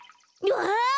わあ！